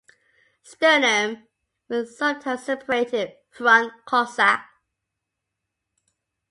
Sternum with sometimes separated front coxa.